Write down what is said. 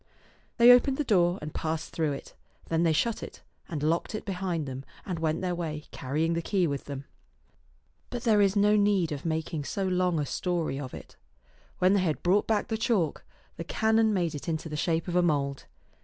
They opened the door and passed through it. Then they shut it, and locked it behind them, and went their way, carrying the key with them. But there is no need of making so long a story of it. When they had brought back the chalk, the canon made it into the shape of a mould.